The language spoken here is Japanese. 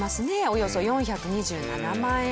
およそ４２７万円。